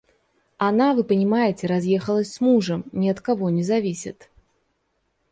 Она, вы понимаете, разъехалась с мужем, ни от кого не зависит.